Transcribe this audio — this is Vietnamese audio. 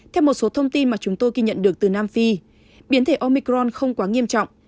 theo một số thông tin mà chúng tôi ghi nhận được từ nam phi biến thể omicron không quá nghiêm trọng